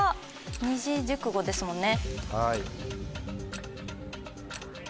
二字熟語ですもんね。